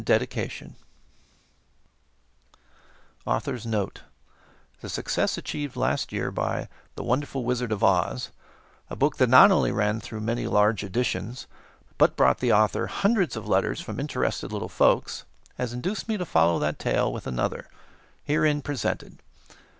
Denslow AUTHOR'S NOTE The success achieved last year by "The Wonderful Wizard of Oz" a book that not only ran through many large editions, but brought the author hundreds of letters from interested little folks has induced me to follow that tale with another, herein presented.